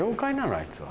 あいつは。